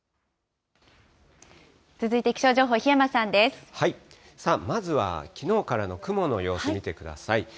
続いて気象情報、まずは、きのうからの雲の様子見てください。